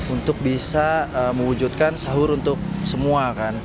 untuk bisa mewujudkan sahur untuk semua kan